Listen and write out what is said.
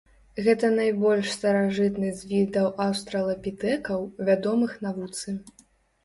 Гэта найбольш старажытны з відаў аўстралапітэкаў, вядомых навуцы.